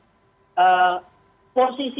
posisinya tidak pernah sesuai